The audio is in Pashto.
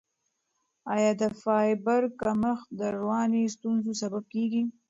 آیا د فایبر کمښت د رواني ستونزو سبب کیږي؟